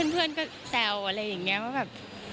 เพื่อนก็แซวอะไรอย่างนี้ว่าแบบ